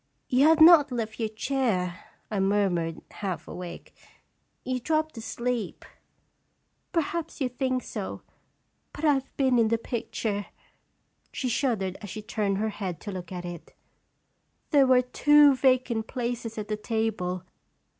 " You have not left your chair." I mur mured, half awake; " you dropped asleep." " Perhaps you think so ; but I have been in the picture." She shuddered as she turned her head to look at it. " There were two vacant places at the table.